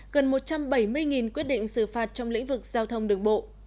gần một trăm bảy mươi quyết định xử phạt trong lĩnh vực giao thông đường bộ